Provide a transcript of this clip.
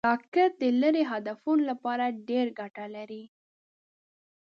راکټ د لرې هدفونو لپاره ډېره ګټه لري